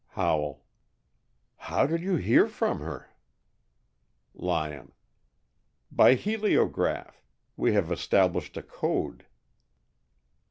Howell: "How did you hear from her?" Lyon: "By heliograph. We have established a code."